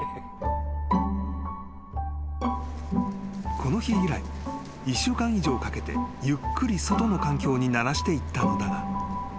［この日以来１週間以上かけてゆっくり外の環境に慣らしていったのだが］